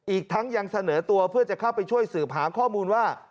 อีกทั้งยังเสนอตัวเพื่อจะเข้าไปช่วยสืบหาข้อมูลว่า